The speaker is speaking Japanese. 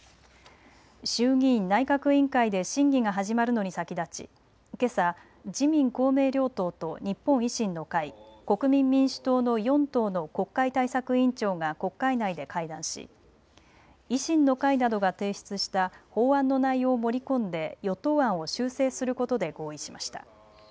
衆議院内閣委員会で審議が始まるのに先立ち、けさ自民公明両党と日本維新の会、国民民主党の４党の国会対策委員長が国会内で会談し維新の会などが提出した法案の内容を盛り込んで与党案を修正することで合意しました。